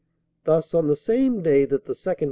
Thus, on the same day that the 2nd.